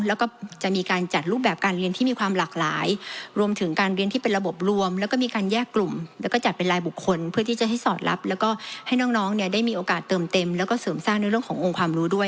แล้วก็จะมีการจัดรูปแบบการเรียนที่มีความหลากหลายรวมถึงการเรียนที่เป็นระบบรวมแล้วก็มีการแยกกลุ่มแล้วก็จัดเป็นรายบุคคลเพื่อที่จะให้สอดรับแล้วก็ให้น้องเนี่ยได้มีโอกาสเติมเต็มแล้วก็เสริมสร้างในเรื่องขององค์ความรู้ด้วย